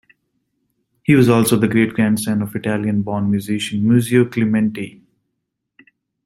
He was also the great-grandson of the Italian-born musician Muzio Clementi.